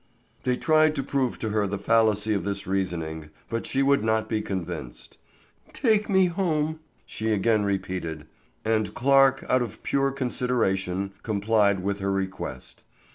They tried to prove to her the fallacy of this reasoning, but she would not be convinced. "Take me home!" she again repeated; and Clarke out of pure consideration complied with her request.